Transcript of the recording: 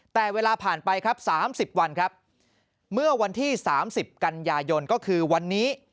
แต่เวลาผ่านไปครับ๓๐วันครับเมื่อวันที่๓๐กันยายนก็คือวันนี้